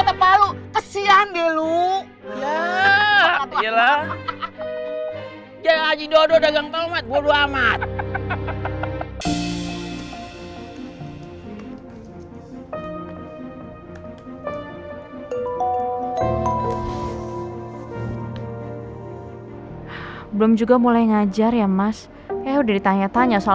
ditanya tanya soalnya udah ngajar ya mas ya udah ditanya tanya soalnya